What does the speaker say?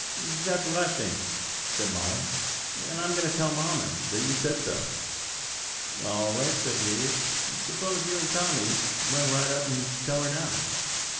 "That's what I fink," said Mollie, "and I'm goin' to tell mamma that you said so." "All right," said the Idiot. "Suppose you and Tommy run right up and tell her now."